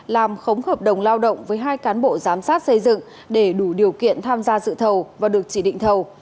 làm khống hợp đồng lao động với hai cán bộ giám sát xây dựng để đủ điều kiện tham gia dự thầu và được chỉ định thầu